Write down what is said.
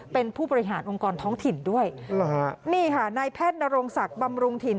เป็นผู้บริหารองค์กรท้องถิ่นด้วยนี่ค่ะนายแพทย์นรงศักดิ์บำรุงถิ่น